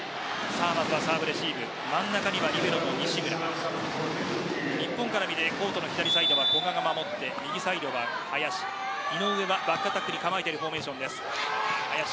まずはサーブレシーブ真ん中にはリベロの西村日本から見てコートの左サイドは古賀が守って右サイドは林井上はバックアタックに構えているフォーメーションです。